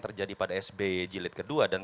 terjadi pada sby jilid kedua dan